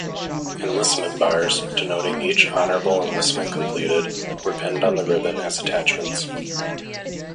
Enlistment bars, denoting each honorable enlistment completed, were pinned on the ribbon as attachments.